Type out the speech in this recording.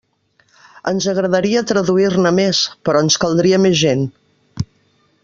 Ens agradaria traduir-ne més, però ens caldria més gent.